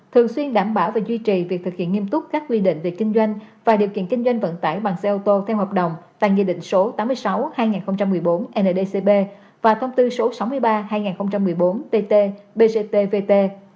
thường xuyên đảm bảo và duy trì việc thực hiện nghiêm túc các quy định về kinh doanh và điều kiện kinh doanh vận tải bằng xe ô tô theo hợp đồng tại nghị định số tám mươi sáu hai nghìn một mươi bốn ndcp và thông tư số sáu mươi ba hai nghìn một mươi bốn tt bctvt